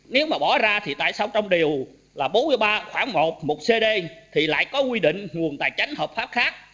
nếu mà bỏ ra thì tại sao trong điều là bốn mươi ba khoảng một một cd thì lại có quy định nguồn tài chánh hợp pháp khác